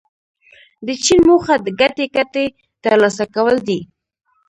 د چین موخه د ګډې ګټې ترلاسه کول دي.